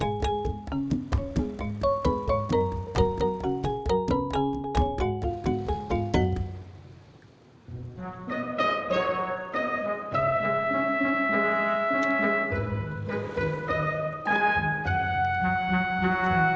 nah kebetulan sui